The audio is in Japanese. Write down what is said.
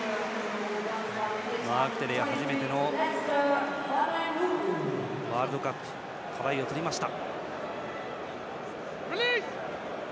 マーク・テレアは初めてのワールドカップでトライを取りました。